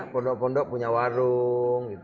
pondok pondok punya warung